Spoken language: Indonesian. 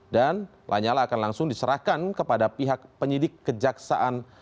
dan lanyala akan langsung diserahkan kepada pihak penyidik kejaksaan